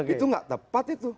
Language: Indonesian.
itu tidak tepat itu